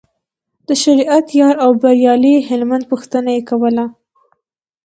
د شریعت یار او بریالي هلمند پوښتنه یې کوله.